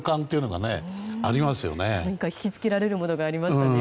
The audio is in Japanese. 今回、引き付けられるものがありましたよね。